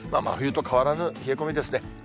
真冬と変わらぬ冷え込みですね。